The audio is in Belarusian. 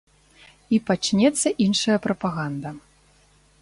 І пачнецца іншая прапаганда.